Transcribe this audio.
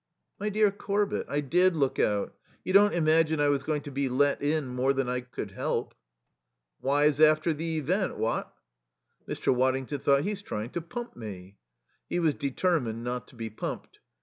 "My dear Corbett, I did look out. You don't imagine I was going to be let in more than I could help." "Wise after the event, what?" Mr. Waddington thought: "He's trying to pump me." He was determined not to be pumped.